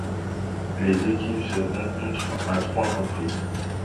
Les équipes se rencontrent à trois reprises.